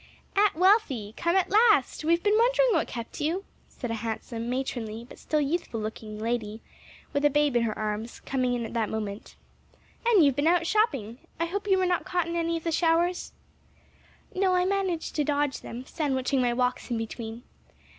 "Aunt Wealthy! come at last! we've been wondering what kept you," said a handsome, matronly, but still youthful looking lady, with a babe in her arms, coming in at that moment. "And you've been out shopping? I hope you were not caught in any of the showers?" "No; I managed to dodge them; sandwiching my walks in between.